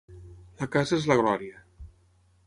La casa és la glòria.